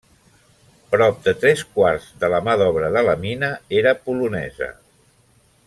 Prop de tres quarts de la mà d'obra de la mina era polonesa.